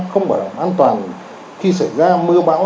không bảo đảm an toàn khi xảy ra mưa bão